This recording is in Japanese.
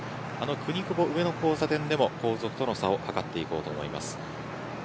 くにくぼ上の交差点でも後続との差を計っていこうと思います。